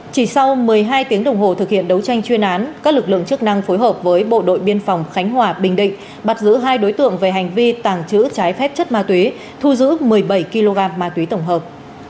chỉ sau một mươi hai tiếng đồng hồ thực hiện đấu tranh chuyên án các lực lượng chức năng phối hợp với bộ đội biên phòng khánh hòa bình định bắt giữ hai đối tượng về hành vi tàng trữ trái phép chất ma túy thu giữ một mươi bảy kg ma túy tổng hợp